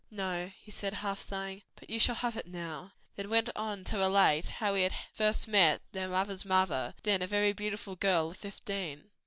"No," he said, half sighing, "but you shall have it now." Then went on to relate how he had first met their mother's mother, then a very beautiful girl of fifteen.